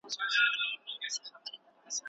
موږ دا موضوع پخوا څېړلې وه.